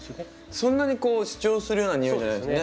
そんなに主張するような匂いじゃないですよね。